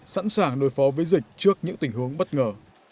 sẵn sàng đối phó với dịch trước những tình huống bất ngờ